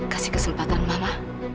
kasih kesempatan mama